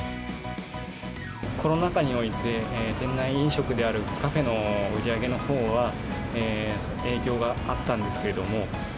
コロナ禍において、店内飲食であるカフェの売り上げのほうは影響があったんですけれども。